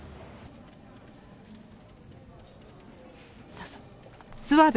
どうぞ。